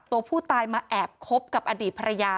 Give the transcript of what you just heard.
ตัวผู้ตายมาแอบคบกับอดีตภรรยา